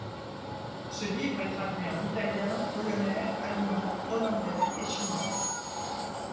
Ce livre est traduit en italien, polonais, allemand, hollandais et chinois.